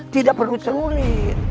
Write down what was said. tidak perlu ceruli